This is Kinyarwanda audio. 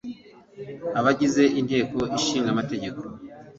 abagize Inteko Ishinga Amategeko